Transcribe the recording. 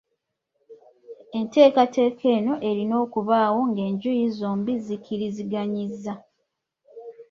Enteekateeka eno erina okubaawo ng'enjuyi zombi zikkiriziganyizza.